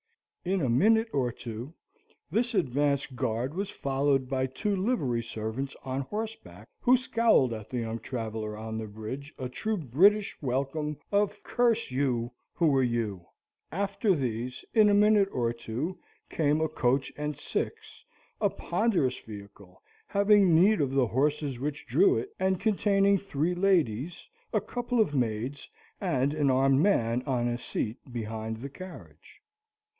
In a minute or two, this advanced guard was followed by two livery servants on horseback, who scowled at the young traveller on the bridge a true British welcome of Curse you, who are you? After these, in a minute or two, came a coach and six, a ponderous vehicle having need of the horses which drew it, and containing three ladies, a couple of maids, and an armed man on a seat behind the carriage.